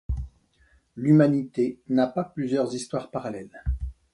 L’humanité n’a pas plusieurs histoires parallèles.